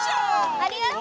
ありがとう！